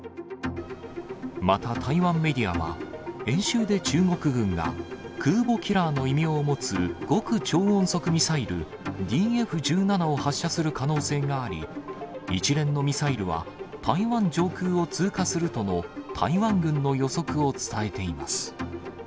また、台湾メディアは、演習で中国軍が空母キラーの異名を持つ極超音速ミサイル、ＤＦ１７を発射する可能性があり、一連のミサイルは台湾上空を通過するとの台湾軍の予測を伝えています。